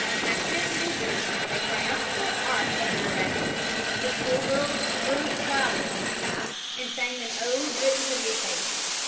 At Trenton, New Jersey, a triumphal arch had been erected. The school girls strewed flowers in his path and sang an ode written for the occasion.